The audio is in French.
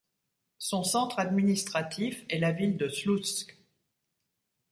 Son centre administratif est la ville de Sloutsk.